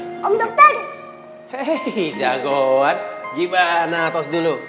hei jagoan gimana tos dulu